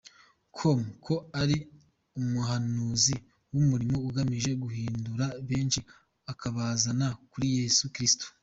com ko ari umuhanuzi w’umuriro ugamije guhindura benshi akabazana kuri Yesu Kristo.